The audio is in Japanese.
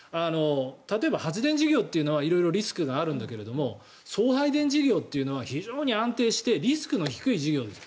例えば発電事業というのは色々リスクがあるんだけど送配電事業というのは非常に安定してリスクの低い事業です。